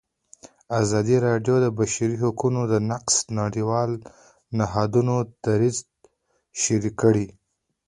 ازادي راډیو د د بشري حقونو نقض د نړیوالو نهادونو دریځ شریک کړی.